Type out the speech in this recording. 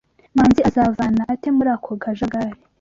Manzi azavana ate muri ako kajagari?